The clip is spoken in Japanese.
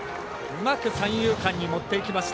うまく三遊間に持っていきました。